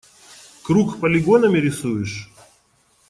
Круг полигонами рисуешь?